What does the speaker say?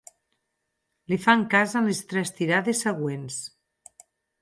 Li fan cas en les tres tirades següents.